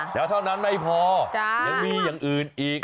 แล้วเท่านั้นไม่พอยังมีอย่างอื่นอีก